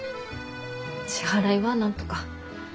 支払いはなんとか。